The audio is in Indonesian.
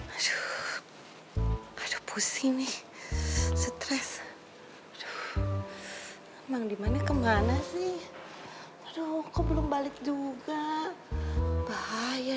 aduh ada pusing nih stres aduh emang dimana kemana sih aduh kok belum balik juga bahaya